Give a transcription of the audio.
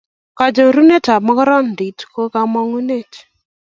Konoret tab makarnatet koba kamanutik